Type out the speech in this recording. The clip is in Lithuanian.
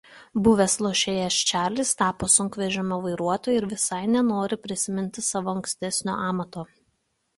Buvę lošėjas Čarlis tapo sunkvežimio vairuotoju ir visai nenori prisiminti savo ankstesnio amato.